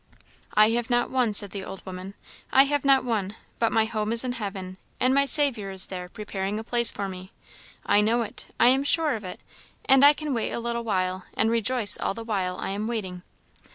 "I have not one," said the old woman, "I have not one; but my home is in heaven, and my Saviour is there, preparing a place for me. I know it I am sure of it and I can wait a little while, and rejoice all the while I am waiting.